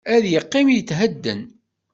Ad yeqqim yethedden.